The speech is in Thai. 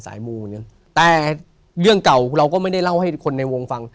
มูเหมือนกันแต่เรื่องเก่าเราก็ไม่ได้เล่าให้คนในวงฟัง